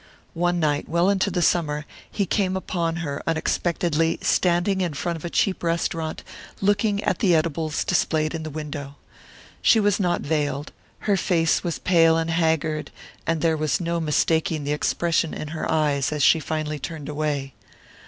One night, well into the summer, he came upon her, unexpectedly, standing in front of a cheap restaurant, looking at the edibles displayed in the window. She was not veiled, her face was pale and haggard, and there was no mistaking the expression in her eyes as she finally turned away.